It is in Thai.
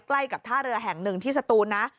ใกล้กับท่าเรือแห่งหนึ่งที่สตูนนะ